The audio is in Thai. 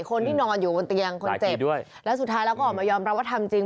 คนที่นอนอยู่บนเตียงคนเจ็บด้วยแล้วสุดท้ายแล้วก็ออกมายอมรับว่าทำจริง